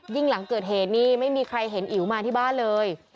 หลังเกิดเหตุนี่ไม่มีใครเห็นอิ๋วมาที่บ้านเลย